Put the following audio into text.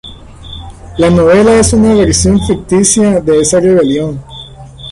La novela es una versión ficticia de esa rebelión.